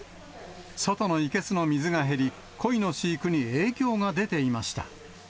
外の生けすの水が減り、コイの飼育に影響が出ていました。